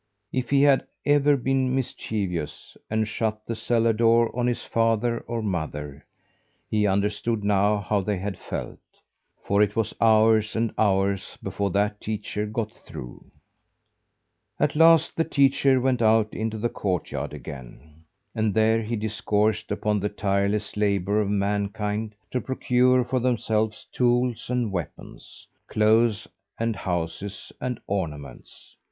If he had ever been mischievous and shut the cellar door on his father or mother, he understood now how they had felt; for it was hours and hours before that teacher got through. At last the teacher went out into the courtyard again. And there he discoursed upon the tireless labour of mankind to procure for themselves tools and weapons, clothes and houses and ornaments.